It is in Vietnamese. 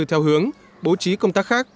theo hướng bố trí công tác khác